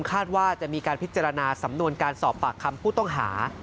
คาดว่าจะมีการพิจารณาสำนวนการสอบปากคำผู้ต้องหา